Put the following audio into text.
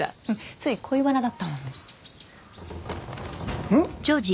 つい恋バナだったもんでん？